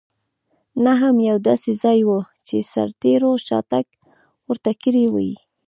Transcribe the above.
نه هم یو داسې ځای و چې سرتېرو شاتګ ورته کړی وای.